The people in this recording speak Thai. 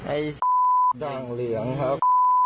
ไอ้ด่างเหลืองครับ